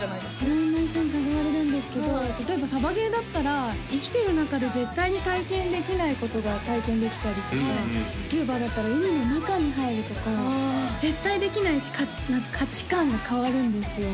色んな人に誘われるんですけど例えばサバゲーだったら生きてる中で絶対に体験できないことが体験できたりとかスキューバだったら海の中に入るとか絶対できないし価値観が変わるんですよ